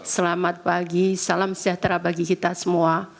selamat pagi salam sejahtera bagi kita semua